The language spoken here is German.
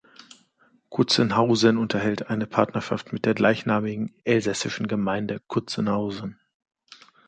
Kutzenhausen unterhält eine Partnerschaft mit der gleichnamigen elsässischen Gemeinde Kutzenhausen.